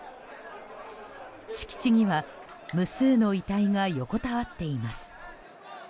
敷地には無数の遺体が横たわっています。